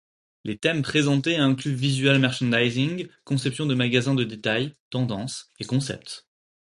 Les thèmes présentés incluent visual merchandising, conception de magasin de détail, tendances, et concepts.